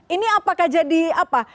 ini apakah jadi apa